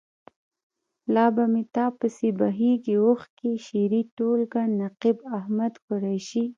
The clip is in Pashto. لا به مې تا پسې بهیږي اوښکې. شعري ټولګه. نقيب احمد قریشي.